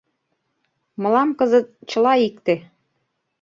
Мылам кызыт чыла икте.